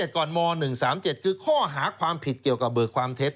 ก่อนม๑๓๗คือข้อหาความผิดเกี่ยวกับเบิกความเท็จ